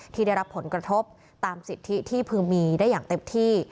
ที่ได้รับผลกระทบตามสิทธิที่พึงมีได้อย่างเต็มที่